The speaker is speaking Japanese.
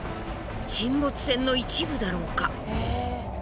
沈没船の一部だろうか。